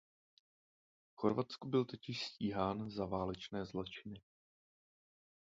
V Chorvatsku byl totiž stíhán za válečné zločiny.